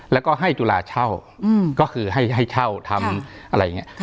แล้วก็ให้จุฬาเช่าก็คือให้เช่าทำอะไรอย่างนี้